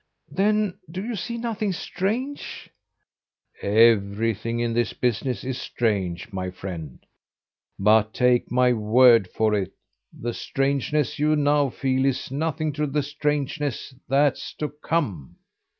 "Then do you see nothing strange " "Everything in this business is strange, my friend; but take my word for it, the strangeness you now feel is nothing to the strangeness that's to come!"